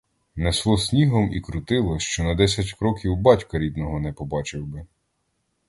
Несло снігом і крутило, що на десять кроків батька рідного не побачив би.